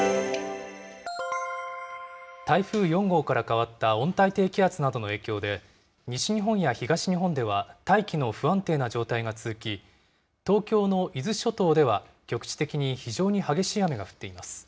台風４号から変わった温帯低気圧などの影響で、西日本や東日本では大気の不安定な状態が続き、東京の伊豆諸島では、局地的に非常に激しい雨が降っています。